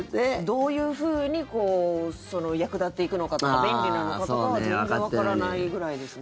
どういうふうに役立っていくのかとか便利なのかとかは全然わからないくらいですね。